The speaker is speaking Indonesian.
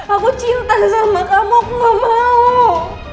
aku cinta sama kamu aku gak mau